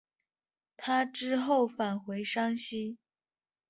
他之后返回山西。